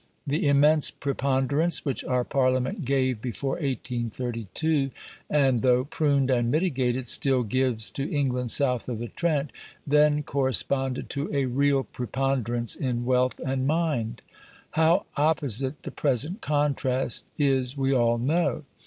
The immense preponderance which our Parliament gave before 1832, and though pruned and mitigated, still gives to England south of the Trent, then corresponded to a real preponderance in wealth and mind. How opposite the present contrast is we all know.